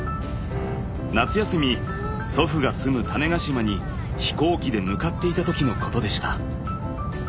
夏休み祖父が住む種子島に飛行機で向かっていた時のことでした。